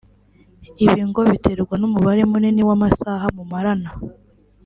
Ibi ngo biterwa n’umubare munini w’amasaha mumarana